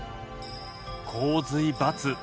「洪水×」。